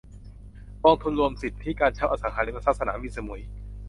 กองทุนรวมสิทธิการเช่าอสังหาริมทรัพย์สนามบินสมุย